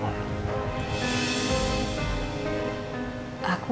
mobilnya dimana sekarang